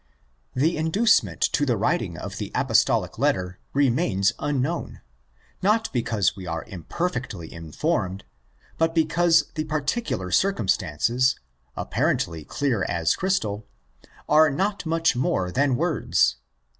The inducement to the writing of the Apostolic letter remains unknown; not because we are imper fectly informed, but because the particular circum stances, apparently clear as crystal, are not much more than words.